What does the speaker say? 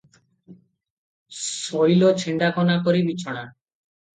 ଶୋଇଲ ଛିଣ୍ଡାକନା କରି ବିଛଣା-- ।